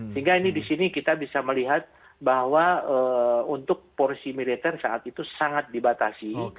sehingga ini di sini kita bisa melihat bahwa untuk porsi militer saat itu sangat dibatasi